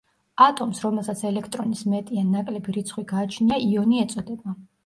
ატომს, რომელსაც ელექტრონის მეტი ან ნაკლები რიცხვი გააჩნია, იონი ეწოდება.